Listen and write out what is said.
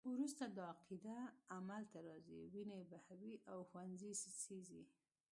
وروسته دا عقیده عمل ته راځي، وینې بهوي او ښوونځي سیزي.